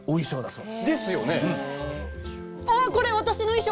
そう。